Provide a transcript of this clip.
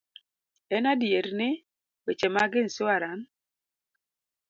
En adier ni, weche mag insuaran